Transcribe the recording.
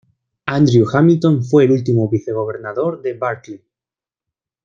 Andrew Hamilton fue el último vicegobernador de Barclay.